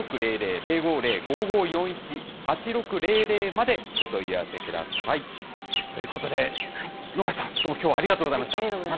０５０ー５５４１ー８６００までお問い合わせください。ということで、能町さん、どうもありがとうございました。